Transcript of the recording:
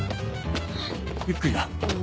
ゆっくりな。